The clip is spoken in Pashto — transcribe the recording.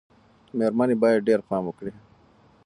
مېرمنې باید ډېر پام وکړي.